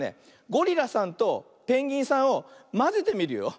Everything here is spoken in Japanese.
ゴリラさんとペンギンさんをまぜてみるよ。